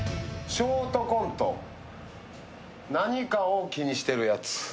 ショートコント、何かを気にしてるやつ。